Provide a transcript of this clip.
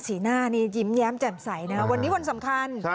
หน้านี้ยิ้มแย้มแจ่มใสนะครับวันนี้วันสำคัญ